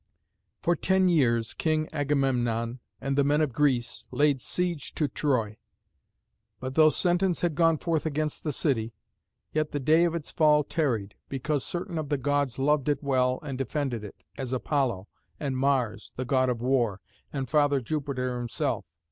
For ten years King Agamemnon and the men of Greece laid siege to Troy. But though sentence had gone forth against the city, yet the day of its fall tarried, because certain of the gods loved it well and defended it, as Apollo, and Mars, the God of war, and Father Jupiter himself.